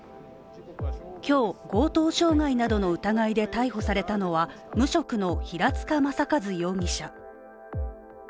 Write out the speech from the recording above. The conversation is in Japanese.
今日、強盗傷害などの疑いで逮捕されたのは無職の平塚雅一容疑者。